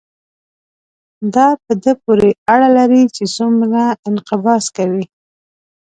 دا په دې پورې اړه لري چې څومره انقباض کوي.